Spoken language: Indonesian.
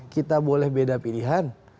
kita boleh beda pilihan